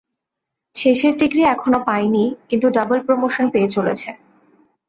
শেষের ডিগ্রি এখনো পায় নি, কিন্তু ডবল প্রোমোশন পেয়ে চলেছে।